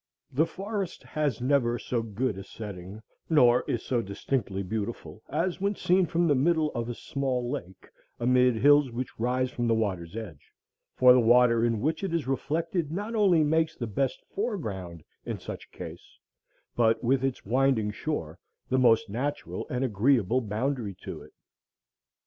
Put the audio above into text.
The forest has never so good a setting, nor is so distinctly beautiful, as when seen from the middle of a small lake amid hills which rise from the water's edge; for the water in which it is reflected not only makes the best foreground in such a case, but, with its winding shore, the most natural and agreeable boundary to it.